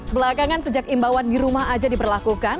belakangan sejak imbauan di rumah aja diberlakukan